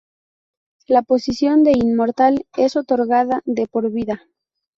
La posición de "Inmortal" es otorgada de por vida.